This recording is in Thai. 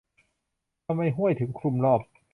ทำไมห้วยถึงคลุมรอบ ?